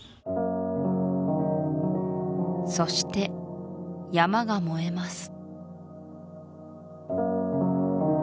そして山が燃えます